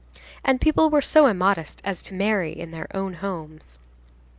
And people were so immodest as to marry in their own homes.